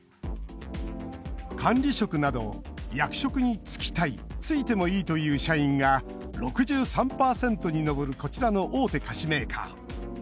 管理職など、役職につきたいついてもいいという社員が６３％に上るこちらの大手菓子メーカー。